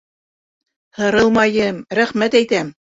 Һырылмайым, рәхмәт әйтәм.